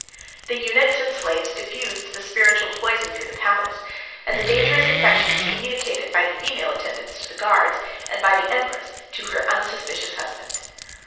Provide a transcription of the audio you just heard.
The eunuchs and slaves diffused the spiritual poison through the palace, and the dangerous infection was communicated by the female attendants to the guards, and by the empress to her unsuspicious husband.